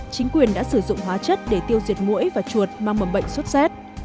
chính quyền đã sử dụng hóa chất để tiêu diệt mũi và chuột mang mầm bệnh xuất xét